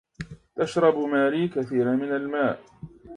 تشرب ماري كثيرا من الماء.